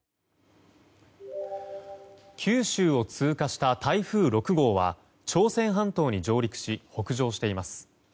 九州を通過した台風１６号は朝鮮半島に上陸し北上しています。